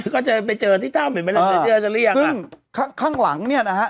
ก็จะไปเจอที่เจ้าเหมือนมันจะเรียกอ่ะซึ่งข้างข้างหลังเนี่ยนะฮะ